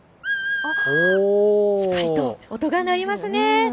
しっかりと音が鳴りますね。